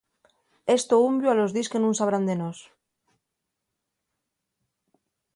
Esto unvio a los díes que nun sabrán de nós.